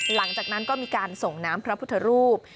หลังจากนั้นก็มีการส่งน้ำพระพุทธรูป